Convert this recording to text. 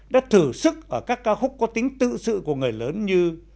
đã thử sức ở các ca khúc có tính tự sự của người lớn như